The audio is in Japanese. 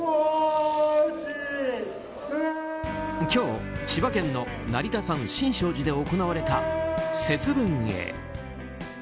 今日、千葉県の成田山新勝寺で行われた節分会。